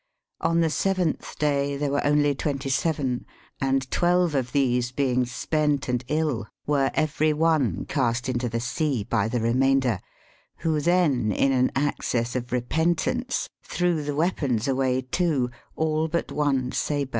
On the seventh day, there were only twenty seven ; and twelve of these, being spent and ill. were every one cast 388 HOUSEHOLD WORDS. [Conducted by into the sea by the remainder, who then, in an access of repentance, threw the weapons away too, all but one sabre.